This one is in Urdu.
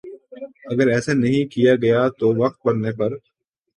اگر ایسا نہیں کیا گیا تو وقت پڑنے پر